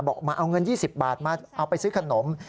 บอกมาเอาเงิน๒๐บาทมาเอาไปซื้อขนม